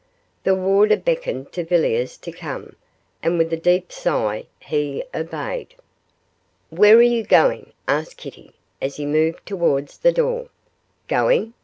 The warder beckoned to Villiers to come, and, with a deep sigh, he obeyed. 'Where are you going?' asked Kitty, as he moved towards the door. 'Going?